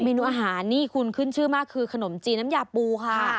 นูอาหารนี่คุณขึ้นชื่อมากคือขนมจีนน้ำยาปูค่ะ